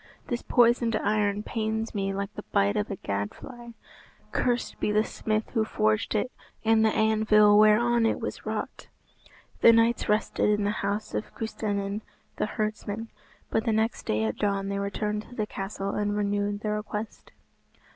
This poisoned iron pains me like the bite of a gad fly. Cursed be the smith who forged it, and the anvil whereon it was wrought." The knights rested in the house of Custennin the herdsman, but the next day at dawn they returned to the castle and renewed their request.